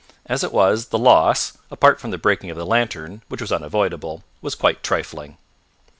As it was the loss, apart from the breaking of the lantern, which was unavoidable, was quite trifling.